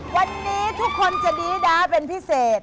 วันนี้ทุกคนจะดีด้าเป็นพิเศษ